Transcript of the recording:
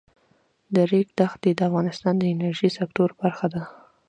د ریګ دښتې د افغانستان د انرژۍ سکتور برخه ده.